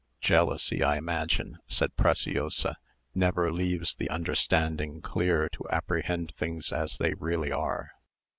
"Jealousy, I imagine," said Preciosa, "never leaves the understanding clear to apprehend things as they really are.